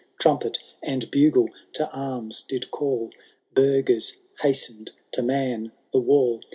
Trumpet and bugle to arms did call. Burghers hastened to man the wall.